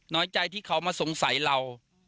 น้อยใจที่เขามาสงสัยเรา